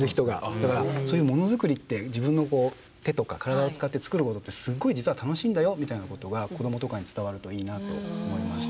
だからそういう物づくりって自分の手とか体を使って作るものってすごい実は楽しいんだよみたいなことが子どもとかに伝わるといいなと思いました。